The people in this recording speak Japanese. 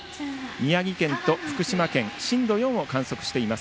宮城県と福島県震度４を観測しています。